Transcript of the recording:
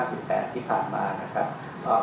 อันนี้แม่งเรามีการสมภารเองนะครับ